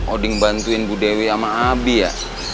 oding bantuin bu dewi sama abi ya